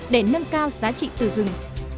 để nâng cao giá trị từ rừng